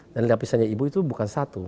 dan lapisannya ibu itu bukan satu